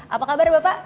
apa kabar bapak